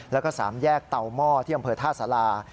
แล้วก็๓แยกเตาหม้อที่อำเภอท่าสารา